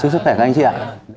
chúc sức khỏe các anh chị ạ